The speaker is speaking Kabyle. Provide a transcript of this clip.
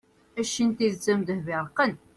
cci n tidet am ddheb iṛeqqen